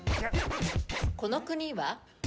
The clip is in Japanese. この国は？